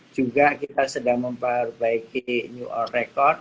juga kita sedang memperbaiki new all record